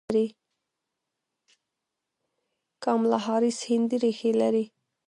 کاملا هاریس هندي ریښې لري.